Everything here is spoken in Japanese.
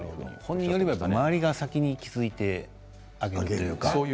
本人よりも周りが先に気付いてあげるというか。